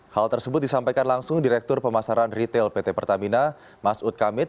hal tersebut disampaikan langsung direktur pemasaran retail pt pertamina mas ut kamit